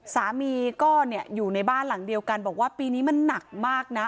สามีก็อยู่ในบ้านหลังเดียวกันบอกว่าปีนี้มันหนักมากนะ